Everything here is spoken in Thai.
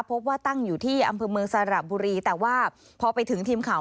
พบว่าตั้งอยู่ที่อำเภอเมืองสระบุรีแต่ว่าพอไปถึงทีมข่าว